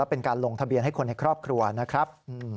เป็นการลงทะเบียนให้คนในครอบครัวนะครับ